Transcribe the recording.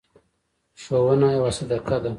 ښوونه یوه صدقه ده.